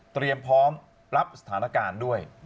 เตรียมพร้อมรับสถานการณ์ด้วย